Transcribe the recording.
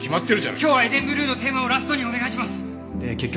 今日は『エデンブルーのテーマ』をラストにお願いします！